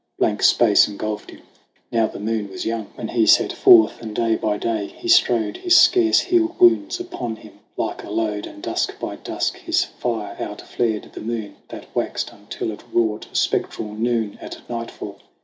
Blank space engulfed him. Now the moon was young TOO SONG OF HUGH GLASS When he set forth; and day by day he strode, His scarce healed wounds upon him like a load ; And dusk by dusk his fire outflared the moon That waxed until it wrought a spectral noon At nightfall.